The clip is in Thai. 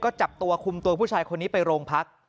ก็จับตัวคุมตัวผู้ชายคนนี้ไปโรงพัก